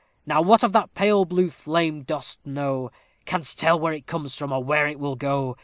Now what of that pale blue flame dost know? Canst tell where it comes from, or where it will go?